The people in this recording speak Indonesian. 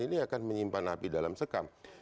ini akan menyimpan api dalam sekam